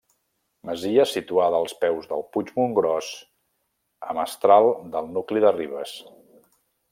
Masia situada als peus del Puig Montgròs, a mestral del nucli de Ribes.